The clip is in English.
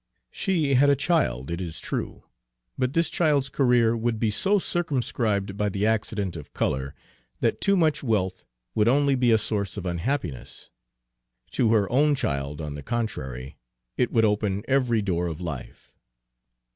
She had a child, it is true, but this child's career would be so circumscribed by the accident of color that too much wealth would only be a source of unhappiness; to her own child, on the contrary, it would open every door of life.